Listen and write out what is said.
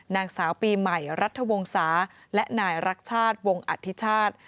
นางสาวปีใหม่รัฐวงศาและนายรักชาติวงอธิชาติ